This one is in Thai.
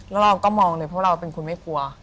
แล้วเราก็มองเลยเพราะเราเป็นคนไม่กลัว